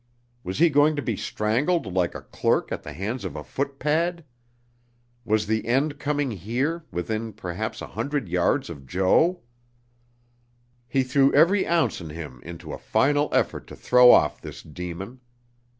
Was he going to be strangled like a clerk at the hands of a footpad? Was the end coming here, within perhaps a hundred yards of Jo? He threw every ounce in him into a final effort to throw off this demon.